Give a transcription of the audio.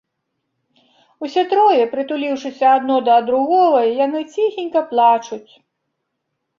Усе трое, прытуліўшыся адно да другога, яны ціхенька плачуць.